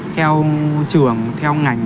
theo trường theo ngành